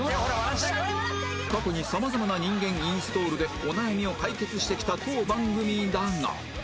過去にさまざまな人間インストールでお悩みを解決してきた当番組だが